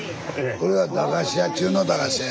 これは駄菓子屋中の駄菓子屋やこれね。